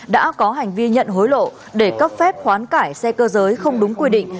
đã có hành vi nhận hối lộ để cấp phép khoán cải xe cơ giới không đúng quy định